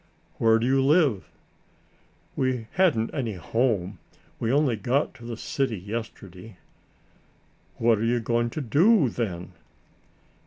"Where do you live?" "We hadn't any home. We only got to the city yesterday." "What are you going to do, then?"